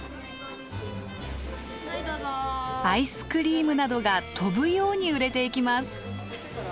アイスクリームなどが飛ぶように売れていきます。